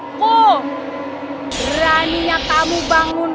kalau dua puluh satu tahun karyawan ini carrot ada di minggu ini